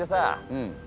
うん。